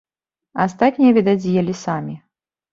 Астатняе, відаць, з'елі самі.